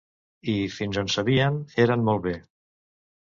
I, fins on sabien, eren molt bé.